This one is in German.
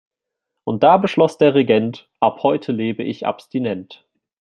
Und da beschloss der Regent: Ab heute lebe ich abstinent.